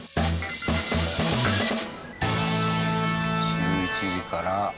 １１時から。